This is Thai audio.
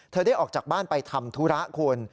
ได้ออกจากบ้านไปทำธุระคุณ